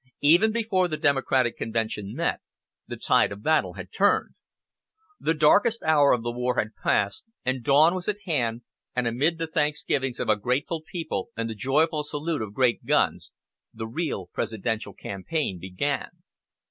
Even before the Democratic convention met, the tide of battle had turned. The darkest hour of the war had passed, and dawn was at hand, and amid the thanksgivings of a grateful people, and the joyful salute of great guns, the real presidential campaign began.